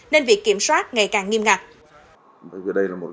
nên việc kiểm soát ngày càng nghiêm ngặt